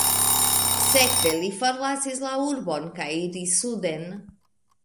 Sekve li forlasis la urbon kaj iris suden.